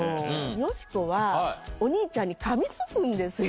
よしこはお兄ちゃんにかみつくんですよ。